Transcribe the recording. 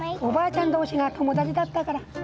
おばあちゃん同士が友達だったから。